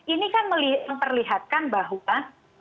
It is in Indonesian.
ini kan memperlihatkan bahwa